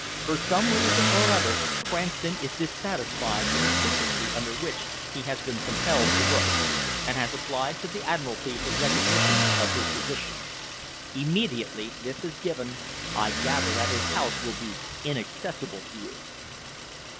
For some reason or other, Cranston is dissatisfied with the secrecy under which he has been compelled to work, and has applied to the Admiralty for recognition of his position. Immediately this is given, I gather that his house will be inaccessible to you."